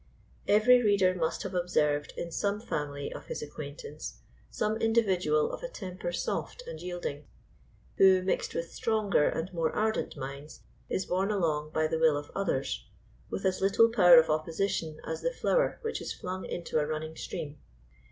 Every reader must have observed in some family of his acquaintance some individual of a temper soft and yielding, who, mixed with stronger and more ardent minds, is borne along by the will of others, with as little power of opposition as the flower which is flung into a running stream.